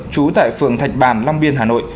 chú tại phường thạch bàn long biên hà nội